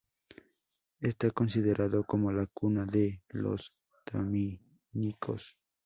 Está considerado como la cuna de los dominicos.